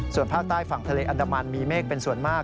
ส่วนภาคใต้ฝั่งทะเลอันดามันมีเมฆเป็นส่วนมาก